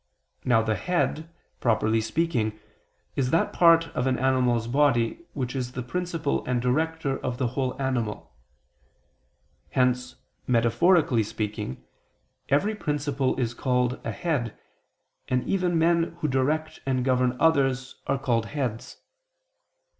Now the head, properly speaking, is that part of an animal's body, which is the principle and director of the whole animal. Hence, metaphorically speaking, every principle is called a head, and even men who direct and govern others are called heads.